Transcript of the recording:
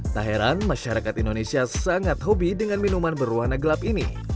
tak heran masyarakat indonesia sangat hobi dengan minuman berwarna gelap ini